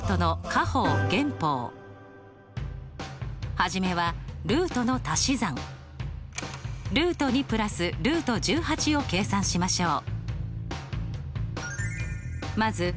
初めはルートのたし算。を計算しましょう。